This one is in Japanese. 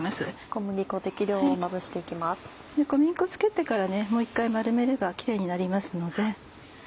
小麦粉付けてからもう一回丸めればキレイになりますので。